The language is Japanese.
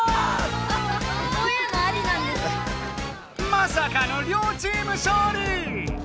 まさかの両チーム勝利！